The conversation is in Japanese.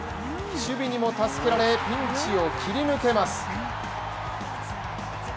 守備にも助けられ、ピンチを切り抜けます。